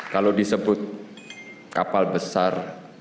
kalau disebut kapal besar